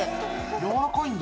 やわらかいんだ。